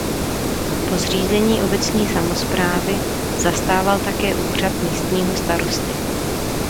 Po zřízení obecní samosprávy zastával také úřad místního starosty.